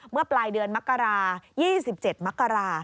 เมื่อปลายเดือนมกรา๒๗มกรา